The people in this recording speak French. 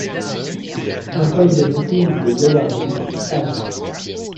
Impasse des Montilles de Gaillardy, Agde